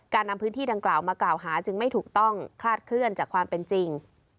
นำพื้นที่ดังกล่าวมากล่าวหาจึงไม่ถูกต้องคลาดเคลื่อนจากความเป็นจริง